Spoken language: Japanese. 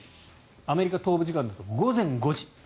アメリカ東部時間だと午前５時。